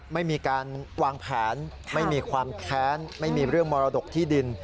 ไม่มีการวางแผนไม่มีความแค้นไม่มีเรื่องมรดกที่ดิน